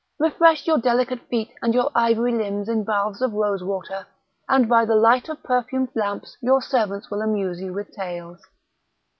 refresh your delicate feet and your ivory limbs in baths of rose water; and, by the light of perfumed lamps your servants will amuse you with tales."